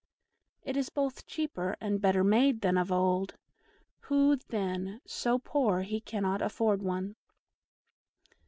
It is both cheaper and better made than of old; who, then, so poor he cannot afford one?